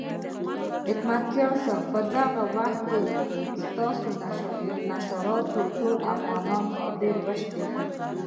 حکمتیار صاحب په هماغه وخت کې ستا نشراتو ټول افغانان کافران وشمېرل.